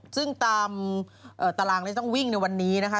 ซึ่งตามตารางที่ต้องวิ่งในวันนี้นะคะ